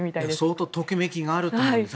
相当ときめきがあると思うんです。